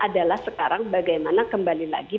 adalah sekarang bagaimana kembali lagi